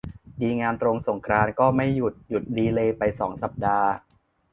ดีงามตรงสงกรานต์ก็ไม่หยุด หยุดดีเลย์ไปสองสัปดาห์